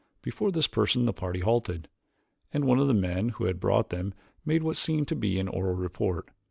Before this person the party halted, and one of the men who had brought them made what seemed to be an oral report.